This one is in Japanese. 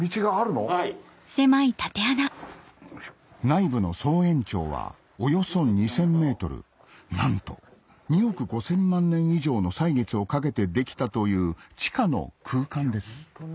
内部の総延長はおよそ２０００ｍなんと２億５０００万年以上の歳月をかけてできたという地下の空間です